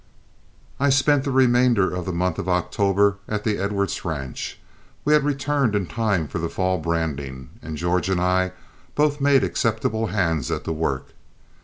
I spent the remainder of the month of October at the Edwards ranch. We had returned in time for the fall branding, and George and I both made acceptable hands at the work.